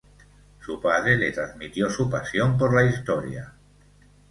Su padre le transmitió su pasión por la Historia.